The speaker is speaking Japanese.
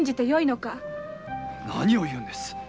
何を言うのです！